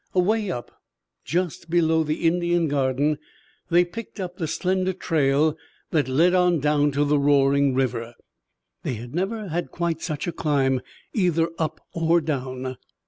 Away up, just below the Indian Garden, they picked up the slender trail that led on down to the roaring river. They had never had quite such a climb, either up or down.